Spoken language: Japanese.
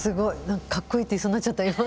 かっこいいって言いそうになっちゃった今。